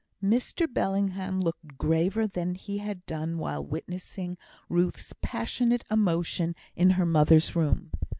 Mr Bellingham looked graver than he had done while witnessing Ruth's passionate emotion in her mother's room.